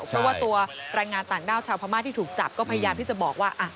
เพราะว่าตัวแรงงานต่างด้าวชาวพม่าที่ถูกจับก็พยายามที่จะบอกว่า